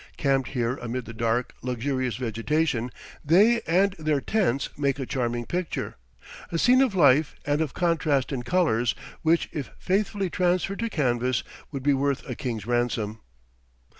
Camped here amid the dark, luxurious vegetation, they and their tents make a charming picture a scene of life and of contrast in colors which if faithfully transferred to canvas would be worth a king's ransom.